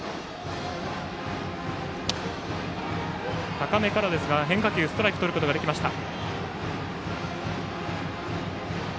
高めからですが変化球でストライクをとることができました。